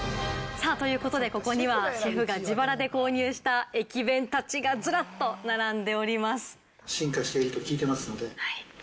ここにはシェフが自腹で購入した駅弁たちが、ずらっと並んでおります。